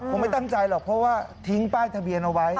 ไม่ตั้งใจหรอกเพราะว่าทิ้งป้ายทะเบียนเอาไว้